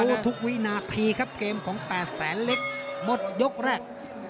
มีเสียวทุกวินาทีครับเกมของแปดแสนเล็กหมดยกแรก